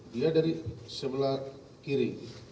dia dari sebelah kiri